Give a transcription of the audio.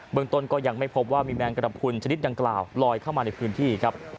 เมืองต้นก็ยังไม่พบว่ามีแมงกระพุนชนิดดังกล่าวลอยเข้ามาในพื้นที่ครับ